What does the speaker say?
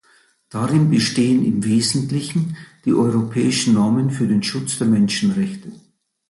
Darin bestehen im Wesentlichen die europäischen Normen für den Schutz der Menschenrechte.